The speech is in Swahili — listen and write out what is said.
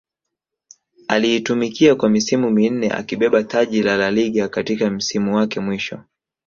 aliitumikia kwa misimu minne akibeba taji la La Liga katika msimu wake mwisho